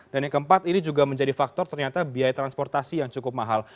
dan yang keempat ini juga menjadi faktor ternyata biaya transportasi yang cukup mahal